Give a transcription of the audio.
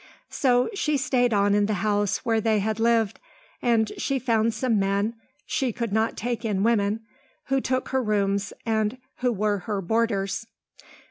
So she stayed on in the house where they had lived, and she found some men, she would not take in women, who took her rooms and who were her boarders.